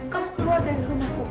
kamu keluar dari rumahku